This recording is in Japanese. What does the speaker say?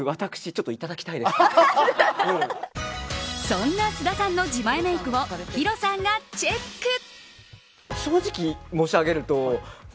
そんな須田さんの自前メイクをヒロさんがチェック。